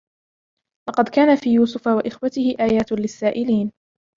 لَقَدْ كَانَ فِي يُوسُفَ وَإِخْوَتِهِ آيَاتٌ لِلسَّائِلِينَ